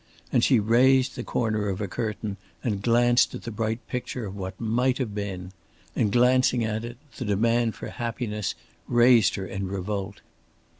And she raised the corner of a curtain and glanced at the bright picture of what might have been. And glancing at it, the demand for happiness raised her in revolt.